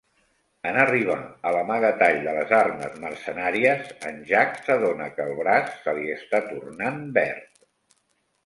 En arribar a l'amagatall de les armes mercenàries, en Jack s'adona que el braç se li està tornant verd.